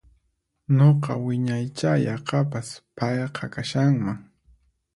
Nuqa wiñaicha yaqapas payqa kashanman